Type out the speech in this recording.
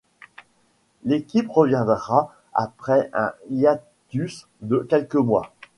L'équipe reviendra après un hiatus de quelques mois.